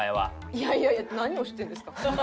いやいやいや何を知ってるんですか。